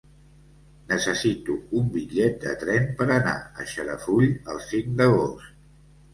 Necessito un bitllet de tren per anar a Xarafull el cinc d'agost.